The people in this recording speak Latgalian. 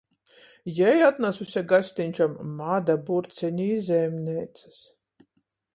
Jei atnasuse gastiņčam mada burceni i zemneicys.